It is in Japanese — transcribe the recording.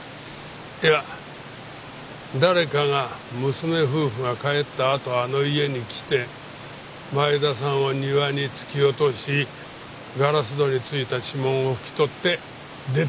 いや誰かが娘夫婦が帰ったあとあの家に来て前田さんを庭に突き落としガラス戸に付いた指紋を拭き取って出ていった。